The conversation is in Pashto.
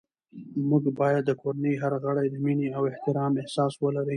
موږ باید د کورنۍ هر غړی د مینې او احترام احساس ولري